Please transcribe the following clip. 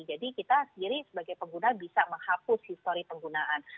jadi kita sendiri sebagai pengguna bisa menghapus history penggunaan